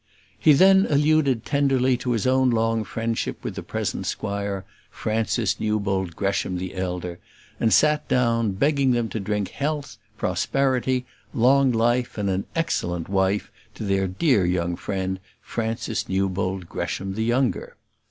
He then alluded tenderly to his own long friendship with the present squire, Francis Newbold Gresham the elder; and sat down, begging them to drink health, prosperity, long life, and an excellent wife to their dear young friend, Francis Newbold Gresham the younger.